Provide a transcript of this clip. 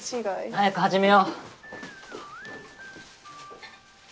早く始めよう。